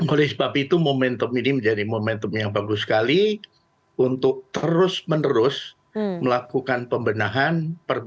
oleh sebab itu momentum ini menjadi momentum yang bagus sekali untuk terus menerus melakukan pembenahan